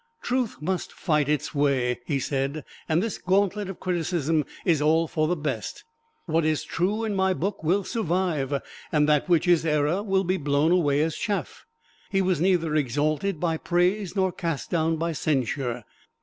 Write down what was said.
"Truth must fight its way," he said; "and this gauntlet of criticism is all for the best. What is true in my book will survive, and that which is error will be blown away as chaff." He was neither exalted by praise nor cast down by censure.